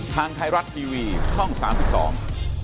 ทางไทยรัฐทีวีช่องสามสิบสอง